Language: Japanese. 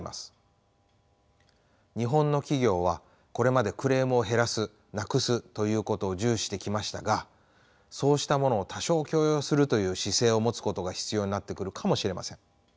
日本の企業はこれまでクレームを減らすなくすということを重視してきましたがそうしたものを多少許容するという姿勢を持つことが必要になってくるかもしれません。